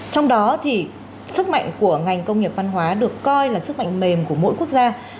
trong đó thì sức mạnh của ngành công nghiệp văn hóa được coi là sức mạnh mềm của mỗi quốc gia